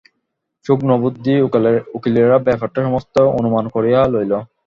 সূক্ষ্ণবুদ্ধি উকিলেরা ব্যাপারটা সমস্তই অনুমান করিয়া লইল।